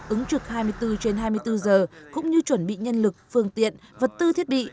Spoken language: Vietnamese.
ứng trực hai mươi bốn trên hai mươi bốn giờ cũng như chuẩn bị nhân lực phương tiện vật tư thiết bị